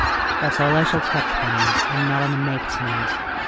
That's all I shall touch, Bunny I'm not on the make to night.